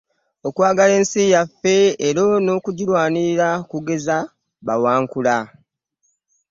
Okwagala ensi yaffe era n’okugirwanirira okugeza Bawankula.